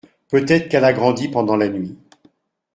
Peut-être qu’elle a grandi pendant la nuit.